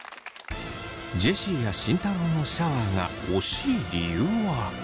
ジェシーや慎太郎のシャワーが惜しい理由は。